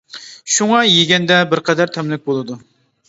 شۇڭا يېگەندە بىر قەدەر تەملىك بولىدۇ.